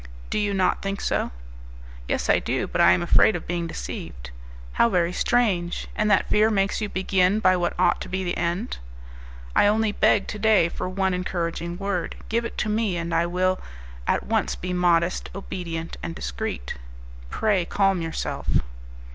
Do you not think so?" "Yes, I do; but I am afraid of being deceived." "How very strange! And that fear makes you begin by what ought to be the end?" "I only beg to day for one encouraging word. Give it to me and I will at once be modest, obedient and discreet." "Pray calm yourself."